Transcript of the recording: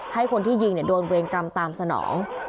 ให้คนที่ยิงโดนเวรกรรมตามสนอง